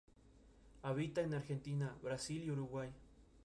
Sandoval nació y creció en San Jose, California.